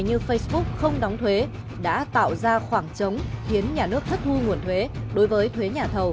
như facebook không đóng thuế đã tạo ra khoảng trống khiến nhà nước thất thu nguồn thuế đối với thuế